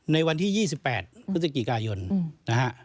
ในวันที่๒๘พฤศกีกายน